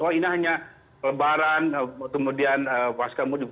oh ini hanya lebaran kemudian pas kemudian mudik